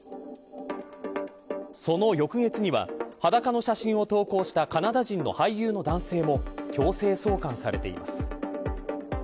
その翌月には、裸の写真を投稿したカナダ人の俳優の男性も強制送還されています。